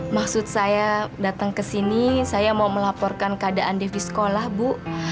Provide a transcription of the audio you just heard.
maksud saya datang kesini saya mau melaporkan keadaan dev di sekolah bu